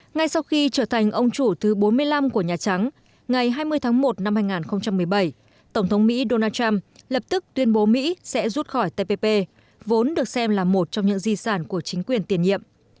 ngay sau khi trở thành ông chủ thứ bốn mươi năm của nhà trắng ngày hai mươi tháng một năm hai nghìn một mươi bảy tổng thống mỹ donald trump lập tức tuyên bố mỹ sẽ rút khỏi tpp vốn được xem là một trong những di sản của chính quyền tiền nhiệm